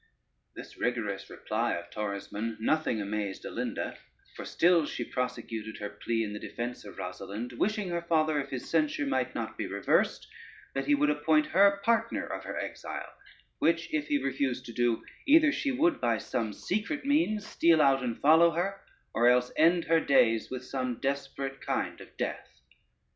] This rigorous reply of Torismond nothing amazed Alinda, for still she prosecuted her plea in the defence of Rosalynde, wishing her father, if his censure might not be reversed, that he would appoint her partner of her exile; which if he refused to do, either she would by some secret means steal out and follow her, or else end her days with some desperate kind of death.